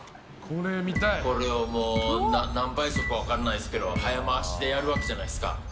これを何倍速か分からないですけど早回しでやるわけじゃないですか。